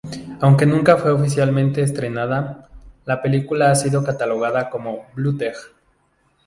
Aunque nunca fue oficialmente estrenada, la película ha sido catalogada como bootleg.